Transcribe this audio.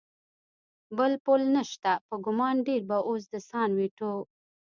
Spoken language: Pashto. بل پل نشته، په ګمان ډېر به اوس د سان وېټو.